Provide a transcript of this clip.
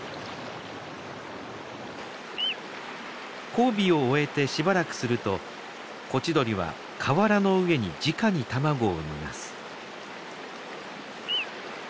交尾を終えてしばらくするとコチドリは河原の上にじかに卵を産みます。